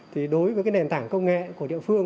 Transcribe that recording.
thì đối với cái nền tảng công nghệ của địa phương